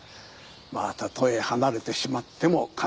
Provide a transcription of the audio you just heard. まあたとえ離れてしまっても必ず会える。